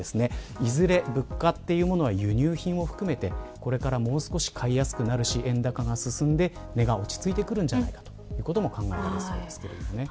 いずれ物価というものは輸入品を含めてこれからもう少し買いやすくなるし円高が進んで値が落ち着いてくるんじゃないかということも考えられます。